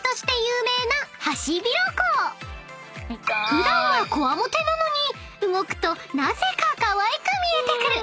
［普段はこわもてなのに動くとなぜかかわいく見えてくる］